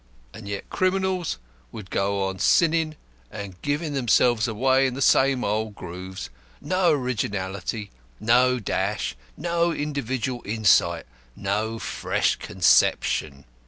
And yet criminals would go on sinning, and giving themselves away, in the same old grooves no originality, no dash, no individual insight, no fresh conception!